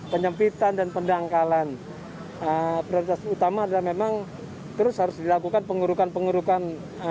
penyempitan dan pendangkalan prioritas utama adalah memang terus harus dilakukan pengurukan pengurukan